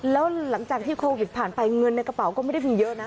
แล้วหลังจากที่โควิดผ่านไปเงินในกระเป๋าก็ไม่ได้มีเยอะนะ